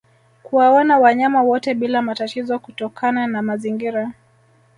Kuwaona wanyama wote bila matatizo kutokana na mazingira